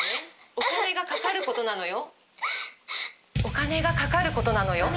お金がかかることなのよ。